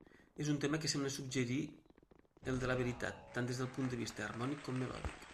És un tema que sembla suggerir el de la veritat, tant des del punt de vista harmònic com melòdic.